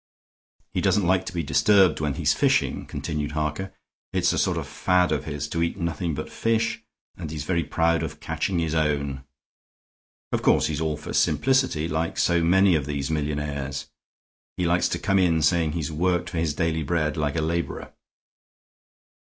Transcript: "He doesn't like to be disturbed when he's fishing," continued Harker. "It's a sort of fad of his to eat nothing but fish, and he's very proud of catching his own. Of course he's all for simplicity, like so many of these millionaires. He likes to come in saying he's worked for his daily bread like a laborer."